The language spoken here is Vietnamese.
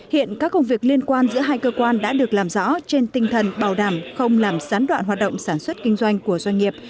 hiện các công việc liên quan giữa hai cơ quan đã được làm rõ trên tinh thần bảo đảm không làm sán đoạn hoạt động sản xuất kinh doanh của doanh nghiệp